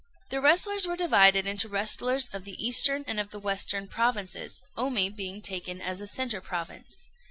The wrestlers were divided into wrestlers of the eastern and of the western provinces, Omi being taken as the centre province.